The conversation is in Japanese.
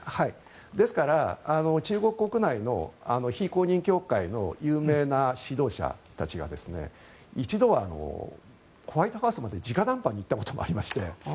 ですから、中国国内の非公認教会の有名な指導者たちが一度はホワイトハウスまで直談判に行ったこともありまして。